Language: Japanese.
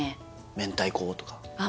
明太子とかあっ